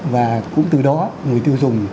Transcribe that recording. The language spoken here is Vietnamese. và cũng từ đó người tiêu dùng